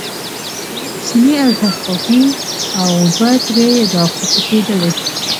شنې او شفافې اوبه ترې را خوټکېدلې.